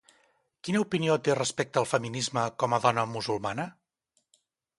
Quina opinió té respecte al feminisme com a dona musulmana?